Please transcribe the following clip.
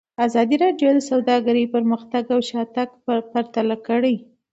ازادي راډیو د سوداګري پرمختګ او شاتګ پرتله کړی.